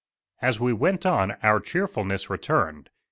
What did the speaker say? * As we went on our cheerfulness returned.